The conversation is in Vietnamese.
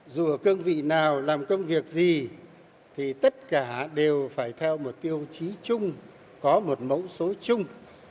dù ở cương vị nào làm công việc gì thì tất cả đều phải theo một tiêu chí chung có một mẫu số chung